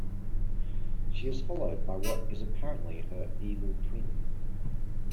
She is followed by what is apparently her evil twin.